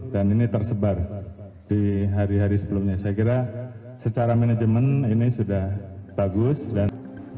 dan ini tersebar di hari hari sebelumnya saya kira secara manajemen ini sudah bagus dan